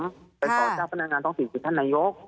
เป็นต่อเจ้าพนักงานท้องถิ่นคือท่านนายก